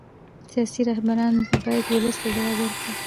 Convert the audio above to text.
سیاسي رهبران باید ولس ته ځواب ورکړي